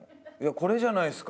これじゃないですか？